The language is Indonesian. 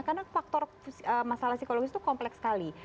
karena faktor masalah psikologis itu kompleks sekali